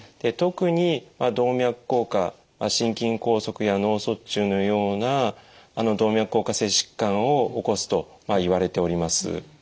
特に動脈硬化心筋梗塞や脳卒中のような動脈硬化性疾患を起こすといわれております。